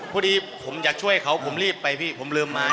พอดีผมอยากช่วยเขาผมรีบไปพี่ผมลืมไม้